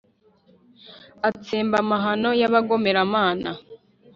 atsemba amahano y’abagomeramana,